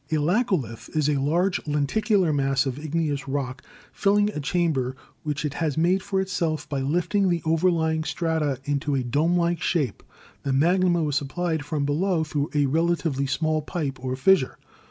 A laccolith is a large, lenticular mass of igneous rock, filling a chamber which it has made for itself by lifting the overlying strata into a domelike shape; the magma was supplied from below through a relatively small pipe or fissure.